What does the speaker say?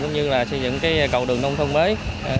cũng như là xây dựng cầu đường nông thôn mới